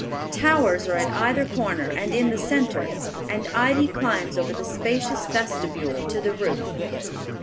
Towers are at either corner and in the centre, and ivy climbs over the spacious vestibule to the roof.